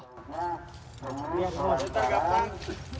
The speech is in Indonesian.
ya ini yang penting